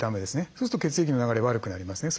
そうすると血液の流れ悪くなりますね。